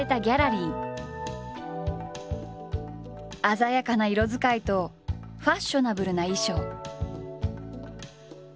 鮮やかな色使いとファッショナブルな衣装。